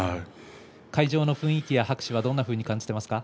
会場の雰囲気や拍手はどんなふうに感じていますか。